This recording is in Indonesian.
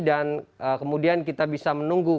dan kemudian kita bisa menunggu